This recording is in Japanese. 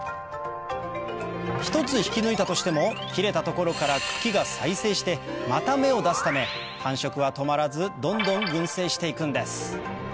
１つ引き抜いたとしても切れた所から茎が再生してまた芽を出すため繁殖は止まらずどんどん群生して行くんです